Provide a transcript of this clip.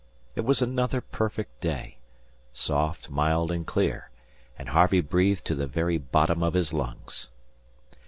It was another perfect day soft, mild, and clear; and Harvey breathed to the very bottom of his lungs.